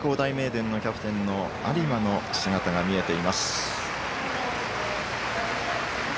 電キャプテンの有馬の姿が見えています。